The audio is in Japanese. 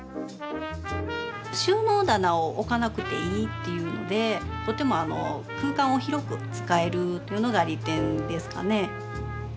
収納棚を置かなくていいっていうのでとても空間を広く使えるというのが利点ですかね。